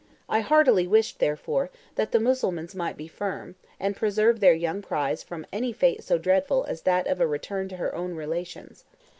I heartily wished, therefore, that the Mussulmans might be firm, and preserve their young prize from any fate so dreadful as that of a return to her own relations.